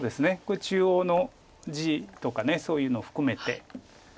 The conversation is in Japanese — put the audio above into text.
これ中央の地とかそういうのを含めて。